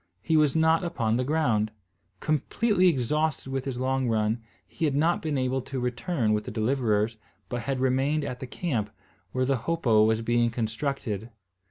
He was not upon the ground. Completely exhausted with his long run, he had not been able to return with the deliverers, but had remained at the camp, where the hopo was being constructed.